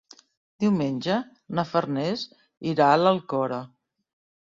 Diumenge na Farners irà a l'Alcora.